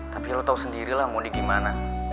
tapi lo tau sendiri lah mondi gimana